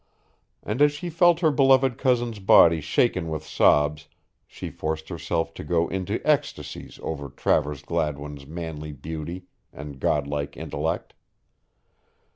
And as she felt her beloved cousin's body shaken with sobs, she forced herself to go into ecstasies over Travers Gladwin's manly beauty and god like intellect.